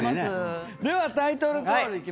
ではタイトルコールいきましょう。